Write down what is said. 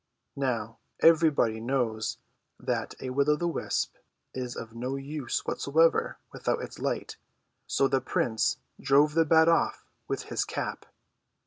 Noav, eA^erybody knoAvs that a AAull o' the Avisp is of no use whateA^er Avithout its light, so the prince droAm the bat off Avith his cajD.